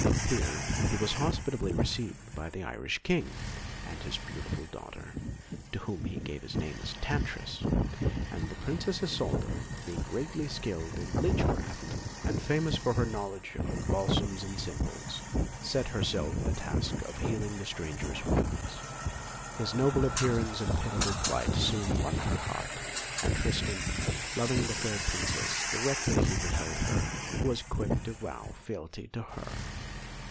Here he was hospitably received by the Irish King and his beautiful daughter, to whom he gave his name as Tantris; and the Princess Isolda, being greatly skilled in leech craft, and famous for her knowledge of balsams and simples, set herself the task of healing the stranger's wounds. His noble appearance and pitiful plight soon won her heart, and Tristan, loving the fair princess directly he beheld her, was quick to vow fealty to her.